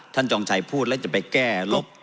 จองชัยพูดแล้วจะไปแก้ลบ